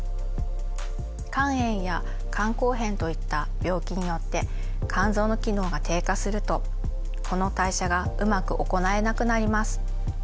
肝炎や肝硬変といった病気によって肝臓の機能が低下するとこの代謝がうまく行えなくなります。